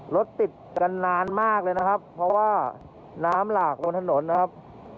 รถติดกันนานมากเลยนะครับเพราะว่าน้ำหลากลงถนนนะครับ